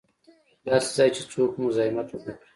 داسې ځای چې څوک مو مزاحمت و نه کړي.